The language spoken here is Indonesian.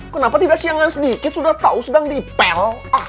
kenapa tidak siangan sedikit sudah tahu sedang dipel